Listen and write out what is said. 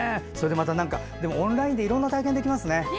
またオンラインでいろんな体験できますね。